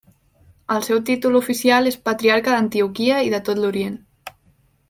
El seu títol oficial és patriarca d'Antioquia i de tot l'Orient.